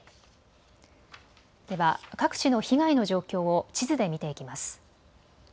では各地の被害の状況を地図で見ていきます。